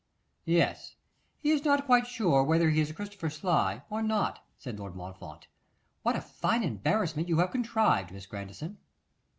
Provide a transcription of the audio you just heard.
'Yes, he is not quite sure whether he is Christopher Sly or not,' said Lord Montfort. 'What a fine embarrassment you have contrived, Miss Grandison!